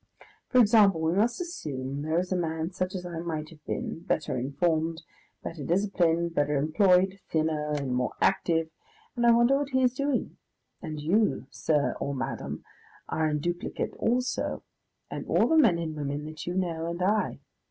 For example, we must assume there is a man such as I might have been, better informed, better disciplined, better employed, thinner and more active and I wonder what he is doing! and you, Sir or Madam, are in duplicate also, and all the men and women that you know and I.